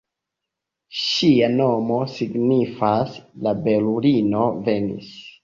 Ŝia nomo signifas ""La belulino venis"".